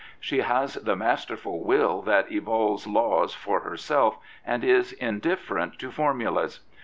She has the masterful will that evolves laws for her self, and is indifferent to formulas.